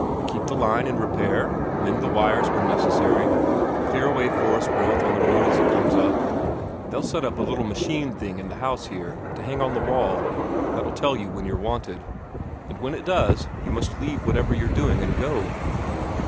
"Keep the line in repair, mend the wires when necessary, clear away forest growth on the route as it comes up. They'll set up a little machine thing in the house here, to hang on the wall, that'll tell you when you're wanted. And when it does, you must leave whatever you're doing and go."